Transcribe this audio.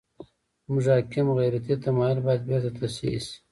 زموږ حاکم غیرتي تمایل باید بېرته تصحیح شي.